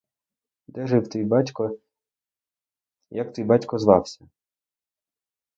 Де жив твій батько і як твій батько звався?